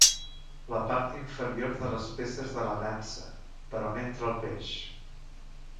La part interior de les peces de la nansa, per on entra el peix.